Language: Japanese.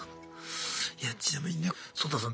いやちなみにねソウタさん